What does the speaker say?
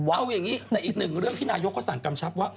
เอาอย่างนี้ในอีกหนึ่งเรื่องที่นายกเขาสั่งกำชับว่า